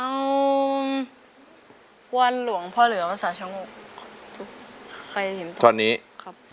วรรณรวงพ่อเหลือมาสะชะมุก